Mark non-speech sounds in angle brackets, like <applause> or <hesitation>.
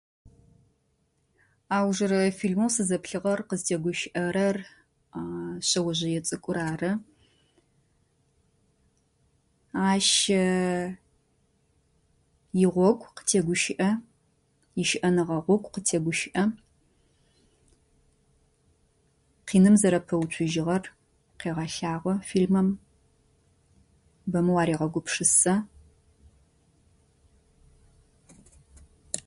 Аужрэ фильмэу сызэплъыгъэр къызтегущыӏэрэр <hesitation> шъэожьые цӏыкӏур ары. Ащ <hesitation> и гъогу къытегущыӏэ, и щыӏэныгъэ гъогу къытегущыӏэ. Къиным зэрэпэуцужьыгъэр къегъэлъагъо фильмэм. Бэмэ уарегъэгупшысэ. <noise>